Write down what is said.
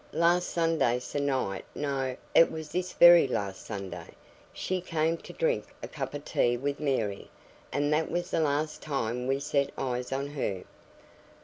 Last Sunday se'nnight no! it was this very last Sunday, she came to drink a cup of tea with Mary; and that was the last time we set eyes on her."